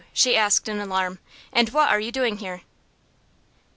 she asked in alarm, "and what are you doing there?"